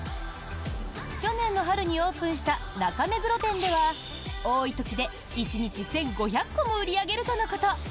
去年の春にオープンした中目黒店では多い時で１日１５００個も売り上げるとのこと。